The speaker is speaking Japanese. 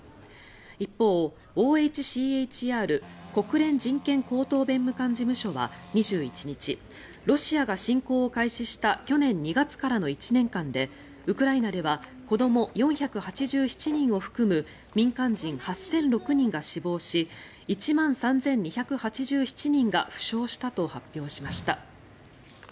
一方、ＯＨＣＨＲ・国連人権高等弁務官事務所は２１日ロシアが侵攻を開始した去年２月からの１年間でウクライナでは子ども４８７人を含む民間人８００６人が死亡し１万３２８７人が負傷したと発表しました。